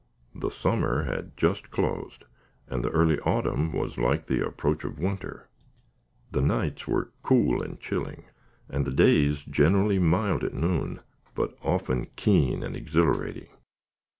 The summer had just closed, and the early autumn was like the approach of winter. The nights were cool and chilling, and the days generally mild at noon, but often keen and exhilarating.